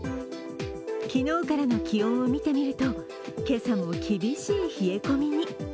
昨日からの気温を見てみると、今朝も厳しい冷え込みに。